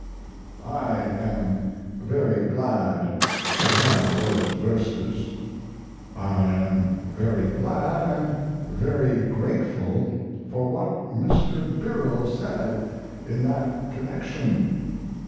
I am very glad to have those verses. I am very glad and very grateful for what Mr. Birrell said in that connection.